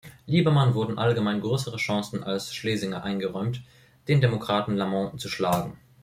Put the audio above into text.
Lieberman wurden allgemein größere Chancen als Schlesinger eingeräumt, den Demokraten Lamont zu schlagen.